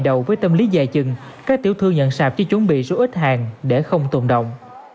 đầu với tâm lý dài chừng các tiểu thương nhận sạp chỉ chuẩn bị số ít hàng để không tồn động